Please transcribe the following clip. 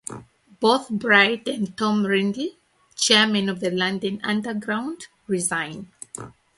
Both Bright and Tony Ridley (Chairman of London Underground) resigned.